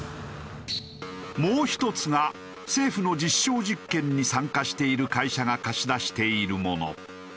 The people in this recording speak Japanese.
もう１つが政府の実証実験に参加している会社が貸し出しているもの。